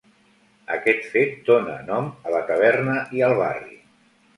Aquest fet dóna nom a la taverna i al barri.